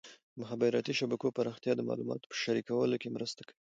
د مخابراتي شبکو پراختیا د معلوماتو په شریکولو کې مرسته کوي.